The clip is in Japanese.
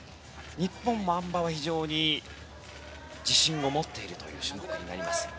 日本も、あん馬は非常に自信を持っている種目になります。